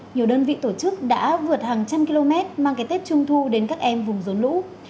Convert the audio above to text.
nhiều đơn vị tổ chức đã vượt hàng trăm km mang cái tết trung thu đến các em vùng rốn lũ